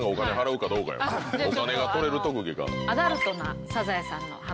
お金が取れる特技か。